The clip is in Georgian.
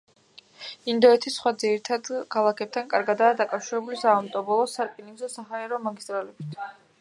ინდოეთის სხვა ძირითად ქალაქებთან კარგადაა დაკავშირებული საავტომობილო, სარკინიგზო და საჰაერო მაგისტრალებით.